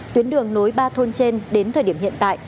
tuyến đường nối ba thôn trên đến thời điểm hiện tại